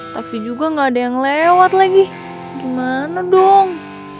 taksi juga gak ada yang lewat lagi gimana dong